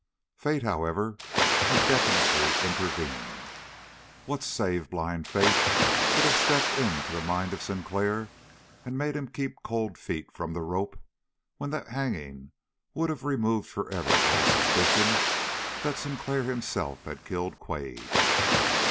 Fate, however, had definitely intervened. What save blind fate could have stepped into the mind of Sinclair and made him keep Cold Feet from the rope, when that hanging would have removed forever all suspicion that Sinclair himself had killed Quade?